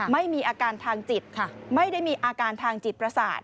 ไม่มีอาการทางจิตค่ะไม่ได้มีอาการทางจิตประสาท